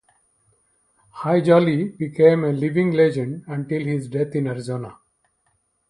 Hi Jolly became a living legend until his death in Arizona.